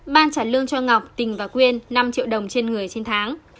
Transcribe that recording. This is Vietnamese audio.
ban trả lương cho ngọc tình và quyên năm triệu đồng trên người trên tháng